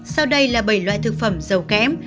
sau đây là bảy loại thực phẩm giàu kém